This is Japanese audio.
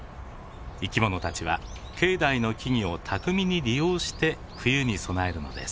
生き物たちは境内の木々を巧みに利用して冬に備えるのです。